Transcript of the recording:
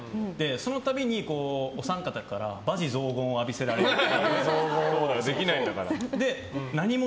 そのたびにお三方から罵詈雑言を浴びせられて。